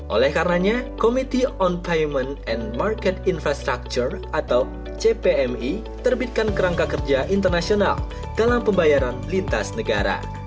oleh karenanya committee on payment and market infrastructure atau cpmi terbitkan kerangka kerja internasional dalam pembayaran lintas negara